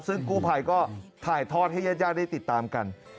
ซึ่งกู้ภัยก็ถ่ายทอดให้ญาติญาติได้ติดตามกัน